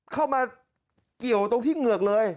เข้ามาเกี่ยวตรงที่เหงือกเลย